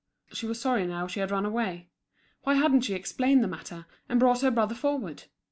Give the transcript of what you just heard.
She was sorry now she had run away. Why hadn't she explained the matter, and brought her brother forward?